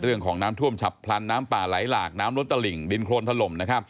เรื่องของน้ำท่วมฉับพลันน้ำป่าไหลหลากน้ำล้นตลิ่งดินโครนถล่ม